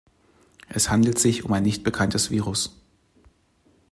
Es handelt sich um ein nicht bekanntes Virus.